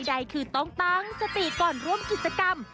ใดคือต้องตั้งสติก่อนร่วมกิจกรรม